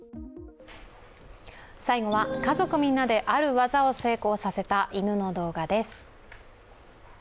最後は、家族みんなである技を成功させた犬の動画です。